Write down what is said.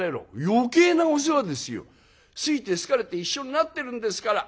「余計なお世話ですよ。好いて好かれて一緒になってるんですから。